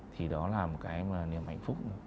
thì đó là một cái niềm hạnh phúc